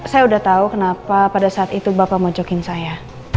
saya udah tahu kenapa pada saat itu bapak mojokin saya